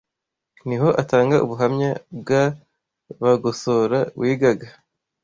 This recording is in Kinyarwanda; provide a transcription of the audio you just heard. Niho atanga ubuhamya bwa Bagosora wigaga